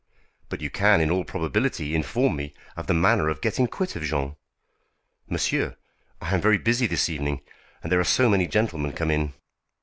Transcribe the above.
"But you can in all probability inform me of the manner of getting quit of Jean." "Monsieur! I am very busy this evening, there are so many gentlemen come in."